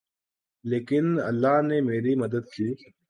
لیکن اللہ نے میری مدد کی